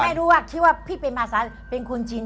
ไม่รู้ว่าคิดว่าพี่เป็นภาษาเป็นคนจีน